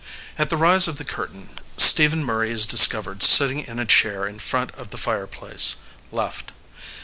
At the rise of the curtain Stephen Murray is discovered sitting in a chair in front of the fire place, left.